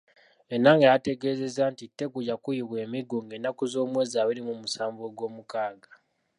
Enanga yategeezezza nti Tegu yakubibwa emiggo ng'ennaku z'omwezi abiri mu musanvu ogw'omukaaga.